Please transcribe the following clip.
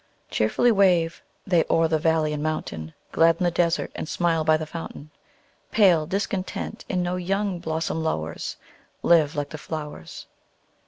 Cheerfully wave they o'er valley and mountain, Gladden the desert, and smile by the fountain; Pale discontent in no young blossom lowers: Live like the flowers!